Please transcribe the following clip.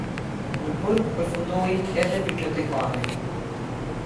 Në burg përfundoi edhe bibliotekari.